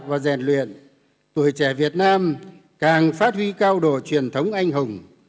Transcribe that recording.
và rèn luyện tuổi trẻ việt nam càng phát huy cao độ truyền thống anh hùng